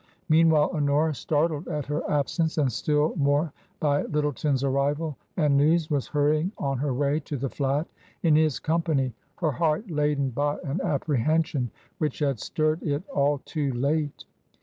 Meanwhile, Honora startled at her absence, and still more by Lyttleton's arrival and news, was hurrying on her way to the flat in his company, her heart laden by an apprehension which had stirred it all too late.